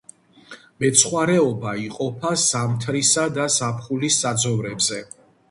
მეცხვარეობა იყოფა ზამთრისა და ზაფხულის საძოვრებზე.